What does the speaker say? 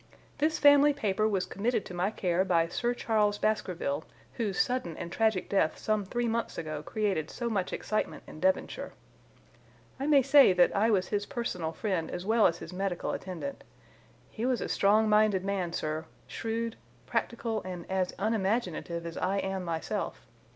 "This family paper was committed to my care by Sir Charles Baskerville, whose sudden and tragic death some three months ago created so much excitement in Devonshire. I may say that I was his personal friend as well as his medical attendant. He was a strong minded man, sir, shrewd, practical, and as unimaginative as I am myself.